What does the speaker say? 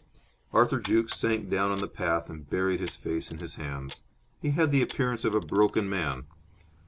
Arthur Jukes sank down on the path and buried his face in his hands. He had the appearance of a broken man.